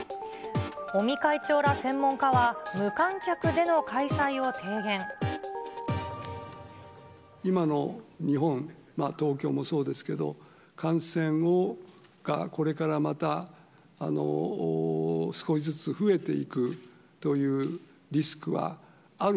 尾身会長ら専門家は、今の日本、東京もそうですけど、感染がこれからまた少しずつ増えていくというリスクはある。